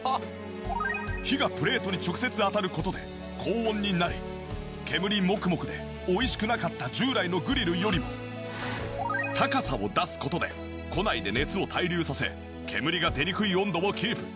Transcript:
火がプレートに直接当たる事で高温になり煙モクモクで美味しくなかった従来のグリルよりも高さを出す事で庫内で熱を対流させ煙が出にくい温度をキープ。